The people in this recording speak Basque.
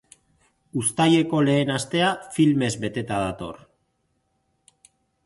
Uztaileko lehen astea filmez beteta dator.